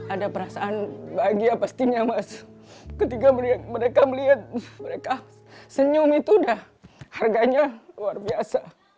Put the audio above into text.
ada perasaan bahagia pastinya mas ketika mereka melihat mereka senyum itu udah harganya luar biasa